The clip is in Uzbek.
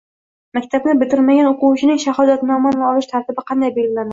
Maktabni bitirmagan o‘quvchining shahodatnomani olish tartibi qanday belgilanadi?